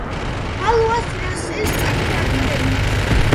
ვალუას დინასტიის წარმომადგენელი.